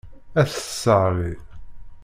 Ad t-tesseɣli.